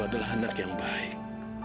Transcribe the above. adalah anak yang baik